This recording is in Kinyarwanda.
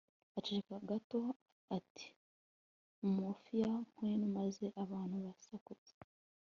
aceceka gato ati umuofia kwenu, maze abantu basakuza